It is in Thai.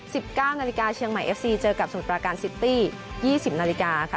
สิบเก้านาฬิกาเชียงใหม่เอฟซีเจอกับสมุทรปราการซิตี้ยี่สิบนาฬิกาค่ะ